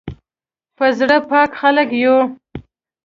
په زړه پاک خلک یو